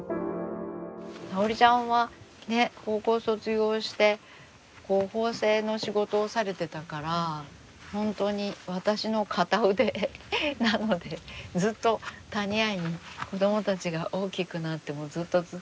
さおりちゃんはね高校卒業して縫製の仕事をされてたから本当に私の片腕なのでずっと谷相に子どもたちが大きくなってもずっとずっといてほしいな。